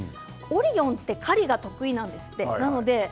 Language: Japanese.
オリオンは狩りが得意なんです。